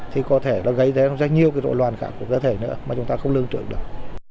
thì có thể nó gây ra rất nhiều độ loàn khẳng của cơ thể nữa mà chúng ta không lương trượng được